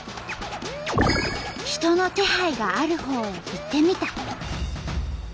人の気配があるほうへ行ってみた。